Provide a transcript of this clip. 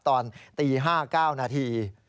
ตอนตี๕๙นาที